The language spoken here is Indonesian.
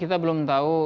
kita belum tahu